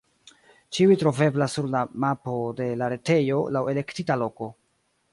Ĉiuj troveblas sur la mapo de la retejo laŭ elektita loko.